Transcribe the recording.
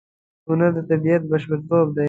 هنر د طبیعت بشپړتوب دی.